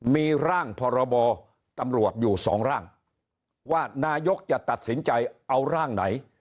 มีร่างพรบตำรวจอยู่สองร่างว่านายกจะตัดสินใจเอาร่างไหน